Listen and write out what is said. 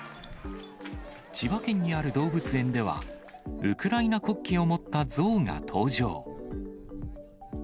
千葉県にある動物園では、ウクライナ国旗を持った象が登場。